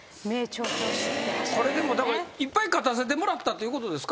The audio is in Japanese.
これでもだからいっぱい勝たせてもらったっていうことですか？